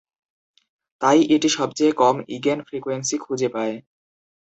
তাই, এটি সবচেয়ে কম ইগেন ফ্রিকোয়েন্সি খুঁজে পায়।